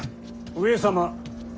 上様。